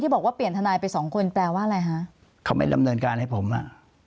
บอกว่าเปลี่ยนทนายไปสองคนแปลว่าอะไรฮะเขาไม่ดำเนินการให้ผมอ่ะ